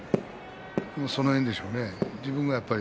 その辺りでしょうね。